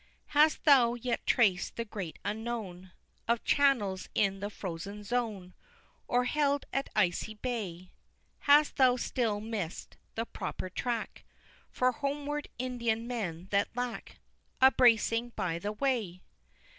II. Hast thou yet traced the Great Unknown Of channels in the Frozen Zone, Or held at Icy Bay, Hast thou still miss'd the proper track For homeward Indian men that lack A bracing by the way?